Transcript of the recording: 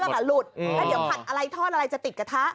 ถ้าเดี๋ยวขัดอะไรทอดอะไรจะติดกระทะ